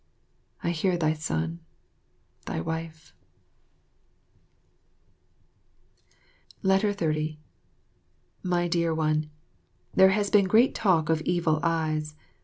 I hear thy son. Thy Wife. 30 My Dear One, There has been great talk of evil eyes.